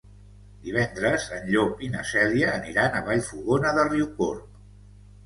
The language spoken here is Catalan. Divendres en Llop i na Cèlia aniran a Vallfogona de Riucorb.